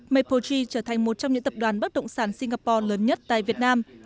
maple tree trở thành một trong những tập đoàn bất động sản singapore lớn nhất tại việt nam